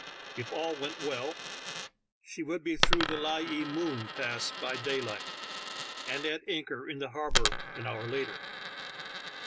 If all went well, she would be through the Ly ee moon pass by day light, and at anchor in the harbor an hour later.